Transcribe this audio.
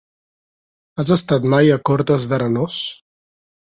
Has estat mai a Cortes d'Arenós?